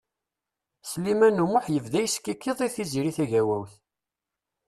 Sliman U Muḥ yebda yeskikiḍ i Tiziri Tagawawt.